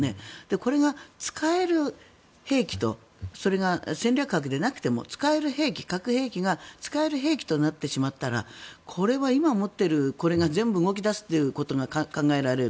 これが使える兵器とそれが戦略核でなくても使える兵器、核兵器が使える兵器となってしまったらこれは今持っているこれが全部動き出すということが考えられる。